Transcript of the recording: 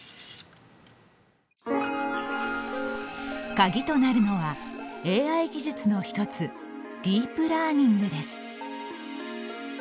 鍵となるのは、ＡＩ技術の１つディープラーニングです。